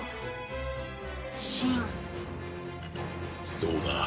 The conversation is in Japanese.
そうだ。